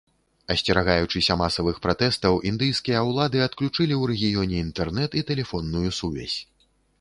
Асцерагаючыся масавых пратэстаў, індыйскія ўлады адключылі ў рэгіёне інтэрнэт і тэлефонную сувязь.